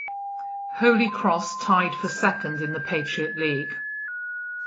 Holy Cross tied for second in the Patriot League.